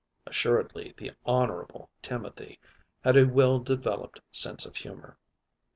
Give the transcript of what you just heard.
Assuredly the Honorable Timothy had a well developed sense of humor.